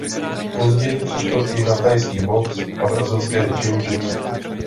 Později přešel i na thajský box a brazilské jiu jitsu.